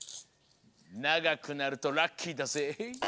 ながくなるとラッキーだぜ。